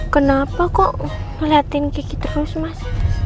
kenapa kok ngeliatin kiki terus mas